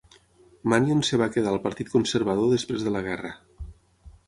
Manion es va quedar al Partit Conservador després de la guerra.